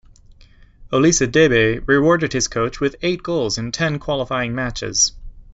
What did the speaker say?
Olisadebe rewarded his coach with eight goals in ten qualifying matches.